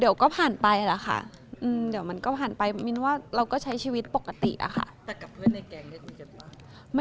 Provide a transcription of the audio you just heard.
เดี๋ยวก็ผ่านไปละค่ะเดี๋ยวมันก็ผ่านไปมินว่าเราก็ใช้ชีวิตปกติอะค่ะ